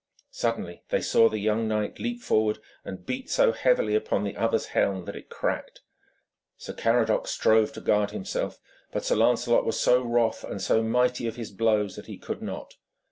Suddenly they saw the young knight leap forward, and beat so heavily upon the other's helm that it cracked. Sir Caradoc strove to guard himself, but Sir Lancelot was so wroth, and so mighty of his blows, that he could not.